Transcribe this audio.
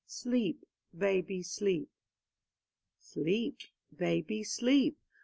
Sleep, baby, sleep. Sleep, baby, sleep!